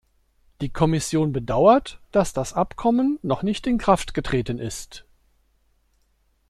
Die Kommission bedauert, dass das Abkommen noch nicht in Kraft getreten ist.